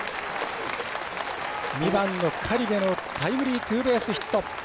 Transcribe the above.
２番の苅部のタイムリーツーベースヒット。